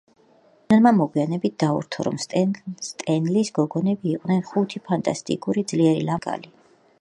ლენონმა მოგვიანებით დაურთო, რომ „სტენლის გოგონები“ იყვნენ „ხუთი, ფანტასტიკური, ძლიერი, ლამაზი და ინტელექტუალური ქალი“.